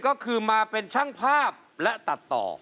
ก็คือมาเป็นช่างภาพและตัดต่อ